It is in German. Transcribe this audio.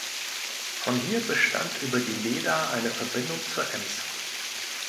Von hier bestand über die Leda eine Verbindung zur Ems.